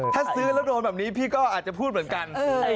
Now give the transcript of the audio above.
ถ้าซื้อแล้วโดนแบบนี้พี่ก็อาจจะพูดเหมือนกัน